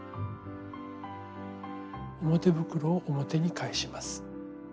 表袋を表に返します。